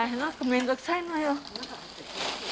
めんどくさいのよ。